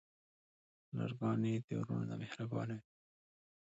لورګانې د وروڼه نه مهربانې وی.